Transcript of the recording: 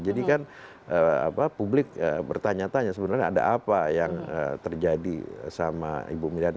jadi kan publik bertanya tanya sebenarnya ada apa yang terjadi sama ibu miriam